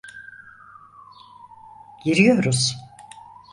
Giriyoruz.